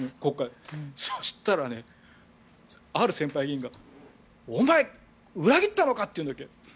そしたら、ある先輩議員がお前、裏切ったのかと言うわけ。